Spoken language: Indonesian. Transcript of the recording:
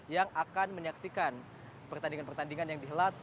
yang akan menyaksikan pertandingan pertandingan yang dihelat